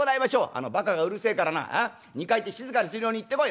「あのバカがうるせえからな二階行って静かにするよう言ってこい」。